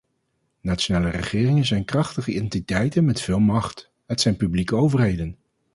Nationale regeringen zijn krachtige entiteiten met veel macht, het zijn publieke overheden.